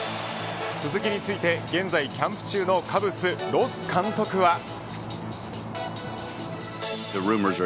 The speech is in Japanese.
鈴木について現在キャンプ中のカブスロス監督は。